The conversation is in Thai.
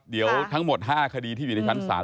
เดี๋ยวทั้งหมด๕คดีที่อยู่ในชั้นศาล